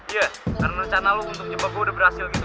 iya karena rencana lo untuk nyebab gue udah berhasil gitu